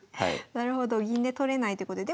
なるほど銀で取れないということで。